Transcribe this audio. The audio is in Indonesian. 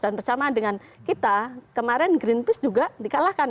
dan bersamaan dengan kita kemarin greenpeace juga dikalahkan